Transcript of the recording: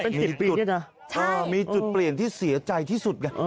เป็น๑๐ปีนี่นะมีจุดเปลี่ยนที่เสียใจที่สุดกันใช่